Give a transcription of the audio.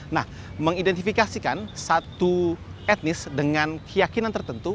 nah mengidentifikasikan satu etnis dengan keyakinan tertentu